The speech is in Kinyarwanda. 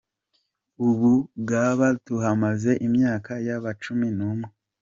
Ubu ngaha tuhamaze imyaka yababa cumi n'umwe.